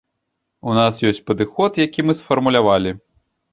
У нас ёсць падыход, які мы сфармулявалі.